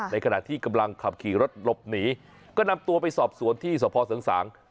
ในขณะที่กำลังขับขี่รถหลบหนีก็นำตัวไปสอบสวนที่สพเสริงสาง